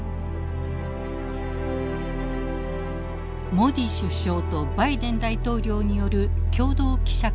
モディ首相とバイデン大統領による共同記者会見。